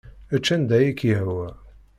Ečč anda ay ak-yehwa.